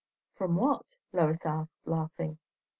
"From what?" Lois asked, laughing.